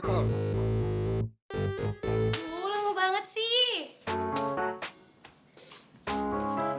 jam berapa ya